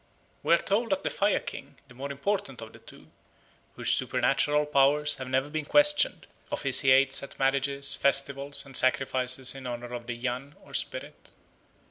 We are told that the Fire King, the more important of the two, whose supernatural powers have never been questioned, officiates at marriages, festivals, and sacrifices in honour of the Yan or spirit.